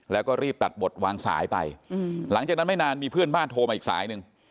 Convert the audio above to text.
แล้วก็รีบตัดบทวางสายไปหลังจากนั้นไม่นานมีเพื่อนบ้านโทรมาอีกสายหนึ่ง